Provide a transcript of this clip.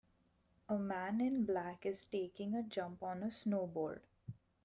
A man in black is taking a jump on a snowboard.